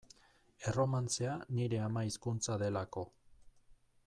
Erromantzea nire ama hizkuntza delako.